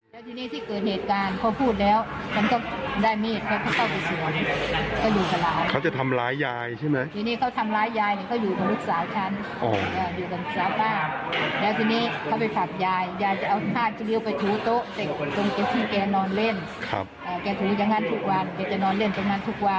แล้วทีนี้ลูกชายเดินไปจับคอข้างหลัง